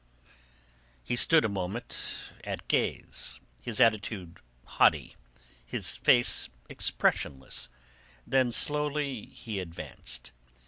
He stood a moment at gaze, his attitude haughty, his face expressionless; then slowly he advanced.